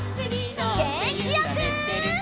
げんきよく！